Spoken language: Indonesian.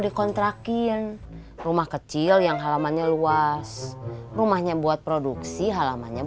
sekarang busnya kemana